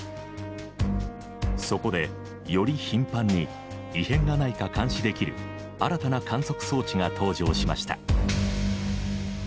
そこでより頻繁に異変がないか監視できる新たな観測装置が登場しました。